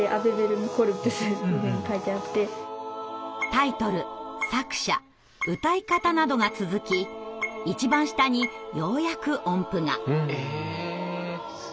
タイトル作者歌い方などが続き一番下にようやく音符が。